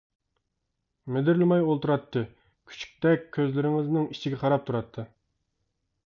مىدىرلىماي ئولتۇراتتى، كۈچۈكتەك كۆزلىرىڭىزنىڭ ئىچىگە قاراپ تۇراتتى.